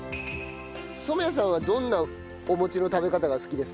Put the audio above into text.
染谷さんはどんなお餅の食べ方が好きですか？